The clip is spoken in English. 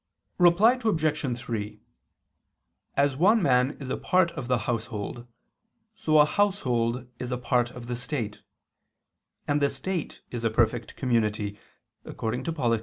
Reply Obj. 3: As one man is a part of the household, so a household is a part of the state: and the state is a perfect community, according to _Polit.